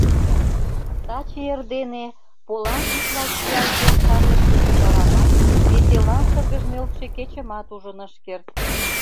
Таче эрдене полан вӱдла чиялген шарлыше ӱжарамат, веселан шыргыж нӧлтшӧ кечымат ужын ыш керт.